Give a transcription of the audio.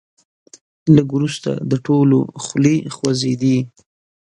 لږ وروسته د ټولو خولې خوځېدې.